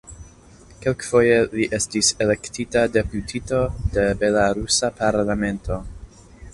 Kelkfoje li estis elektita deputito de belarusa parlamento.